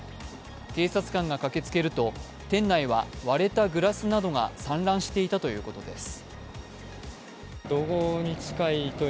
警察官が駆けつけると、店内は割れたグラスなどが散乱していたということです。